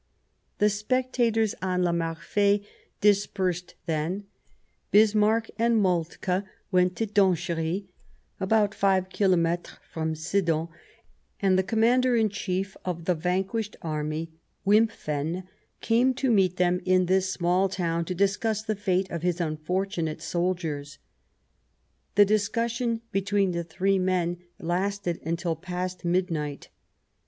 The spectators on La Marfee dispersed then, Bismarck and Moltke went to Donchery, about five kilometres from Sedan, and the Commander in Chief of the vanquished army, Wimpffen, came to meet them in this small town to discuss the fate of his unfortunate soldiers. The discussion between the three men lasted until past midnight.